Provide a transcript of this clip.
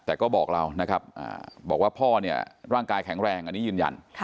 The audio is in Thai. แต่ก็บอกเรานะครับบอกว่าพ่อเนี่ยร่างกายแข็งแรงอันนี้ยืนยัน